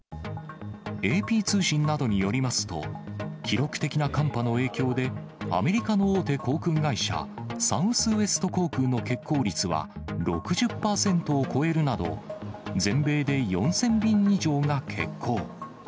ＡＰ通信などによりますと、記録的な寒波の影響で、アメリカの大手航空会社、サウスウエスト航空の欠航率は６０％を超えるなど、全米で４０００便以上が欠航。